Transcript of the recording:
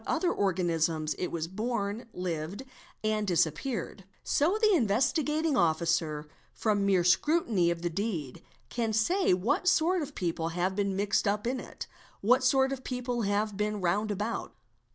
other organisms it was born, lived, and disappeared; so the Investigating Officer from mere scrutiny of the deed, can say what sort of people have been mixed up in it, what sort of people have been round about.